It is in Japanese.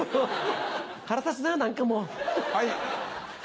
腹立つな、なんかもう。